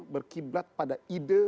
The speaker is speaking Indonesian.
berkiblat pada ide